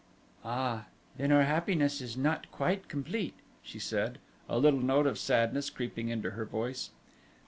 "Ah, then our happiness is not quite complete," she said, a little note of sadness creeping into her voice.